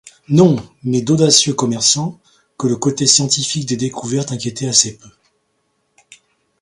Non, mais d’audacieux commerçants, que le côté scientifique des découvertes inquiétait assez peu.